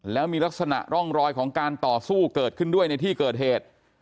แล้วมีลักษณะร่องรอยของการต่อสู้เกิดขึ้นด้วยในที่เกิดเหตุ